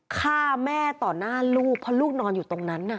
ฆ่าแม่ต่อหน้าลูกเพราะลูกนอนอยู่ตรงนั้นน่ะ